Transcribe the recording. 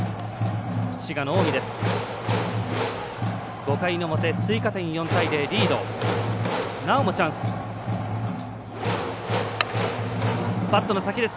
滋賀の近江です。